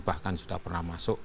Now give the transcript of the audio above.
bahkan sudah pernah masuk